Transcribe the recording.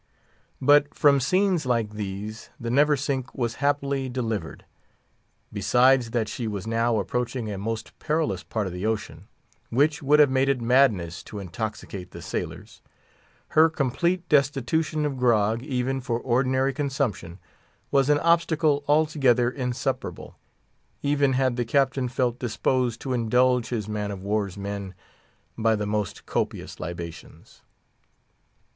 But from scenes like these the Neversink was happily delivered. Besides that she was now approaching a most perilous part of the ocean—which would have made it madness to intoxicate the sailors—her complete destitution of grog, even for ordinary consumption, was an obstacle altogether insuperable, even had the Captain felt disposed to indulge his man of war's men by the most copious libations.